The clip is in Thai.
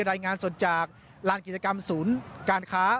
รายงานสดจากลานกิจกรรมศูนย์การค้า